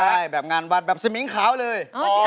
ใช่แบบงานวัดแบบสมิงขาวเลย